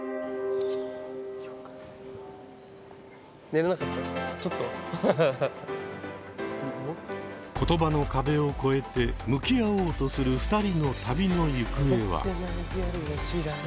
例えば言葉の壁を超えて向き合おうとする２人の旅の行方は？